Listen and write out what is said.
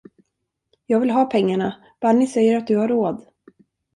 Jag vill ha pengarna, Bunny säger att du har råd!